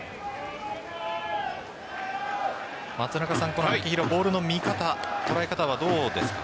この秋広ボールの見方、捉え方はどうですか？